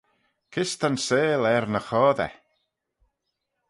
Kys ta'n seihll er ny choadey?